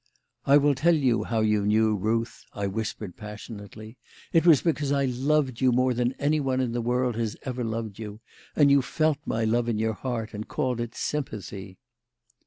"I will tell you how you knew, Ruth," I whispered passionately. "It was because I loved you more than anyone in the world has ever loved you, and you felt my love in your heart and called it sympathy."